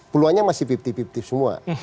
peluangnya masih lima puluh lima puluh semua